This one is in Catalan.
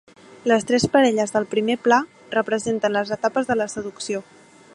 Les tres parelles del primer pla representen les etapes de la seducció.